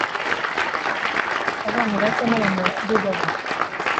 abana bato n abantu bakuru baba